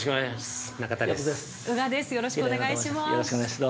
◆よろしくお願いします。